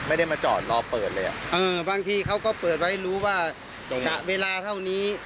ไม่ได้มาจอดรอเปิดเลยอ่ะเออบางทีเขาก็เปิดไว้รู้ว่ากะเวลาเท่านี้